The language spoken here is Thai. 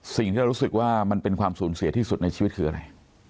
สิ่งที่เรารู้สึกว่ามันเป็นความสูญเสียที่สุดในชีวิตคืออะไร